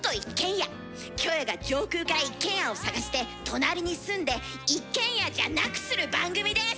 キョエが上空から一軒家を探して隣に住んで一軒家じゃなくする番組です！